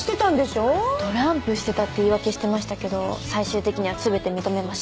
トランプしてたって言い訳してましたけど最終的には全て認めました。